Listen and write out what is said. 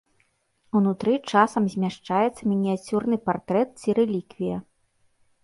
Унутры часам змяшчаецца мініяцюрны партрэт ці рэліквія.